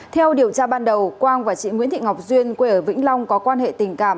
theo điều tra ban đầu quang và chị nguyễn thị ngọc duyên quê ở vĩnh long có quan hệ tình cảm